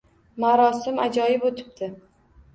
Marosim ajoyib oʻtibdi.